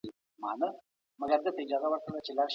د علامه بابا کتابتون چي اوس د علامه رشاد